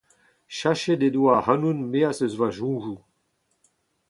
Sachet he doa ac'hanon maez deus ma soñjoù